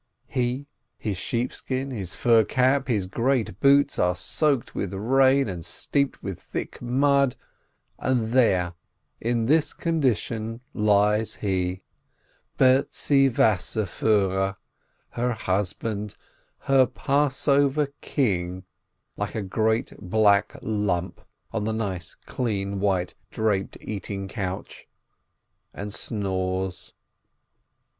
.. He, his sheepskin, his fur cap, and his great boots are soaked with rain and steeped in thick mud, and there, in this condition, lies he, Bertzi Wasserfiihrer, her husband, her Passover "king," like a great black lump, on the nice, clean, white, draped "eating couch," and snores.